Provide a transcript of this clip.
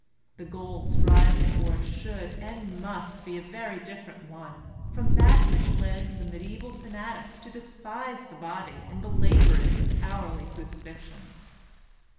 The goal strived for should, and must, be a very different one from that which led the mediaeval fanatics to despise the body and belabor it with hourly crucifixions.